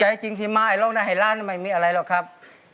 ใจจริงที่มาไอล่าไอล่าไม่มีอะไรหรอกครับ